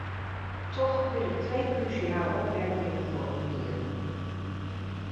Toch wil ik twee cruciale opmerkingen formuleren.